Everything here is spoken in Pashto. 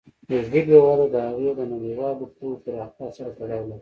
د ژبې وده د هغې د نړیوالې پوهې پراختیا سره تړاو لري.